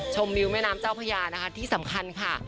มิวแม่น้ำเจ้าพญานะคะที่สำคัญค่ะ